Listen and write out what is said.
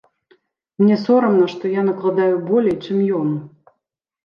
Мне сорамна, што я накладаю болей, чым ён.